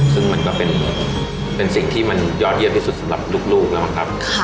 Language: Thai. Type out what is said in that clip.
ซึ่งมันก็เป็นสิ่งที่มันยอดเยี่ยมที่สุดสำหรับลูกแล้วมั้งครับ